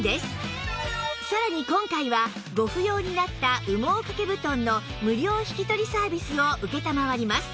さらに今回はご不要になった羽毛掛け布団の無料引き取りサービスを承ります